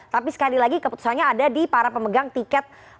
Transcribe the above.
tapi sekali lagi keputusannya ada di para pemegang tiket